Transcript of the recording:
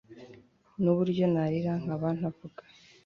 nuburyo narira nkaba ntavuga